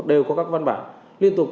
đều có các văn bản liên tục